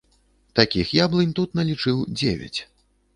Такіх яблынь тут налічыў дзевяць.